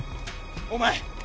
お前。